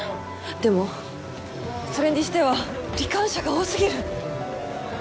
でもそれにしては罹患者が多すぎる。